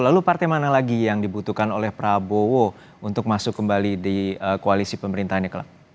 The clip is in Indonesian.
lalu partai mana lagi yang dibutuhkan oleh prabowo untuk masuk kembali di koalisi pemerintahnya